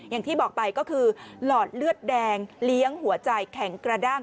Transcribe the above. อย่างที่บอกไปก็คือหลอดเลือดแดงเลี้ยงหัวใจแข็งกระด้าง